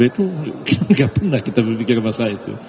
itu tidak pernah kita berpikir bahasa itu